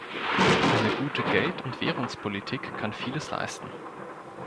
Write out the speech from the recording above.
Eine gute Geld- und Währungspolitik kann vieles leisten.